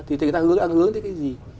thì người ta đang hướng tới cái gì